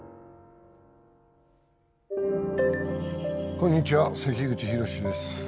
こんにちは関口宏です